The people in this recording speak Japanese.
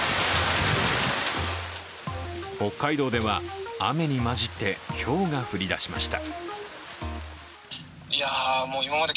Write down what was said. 北海道では雨に交じってひょうが降りだしました。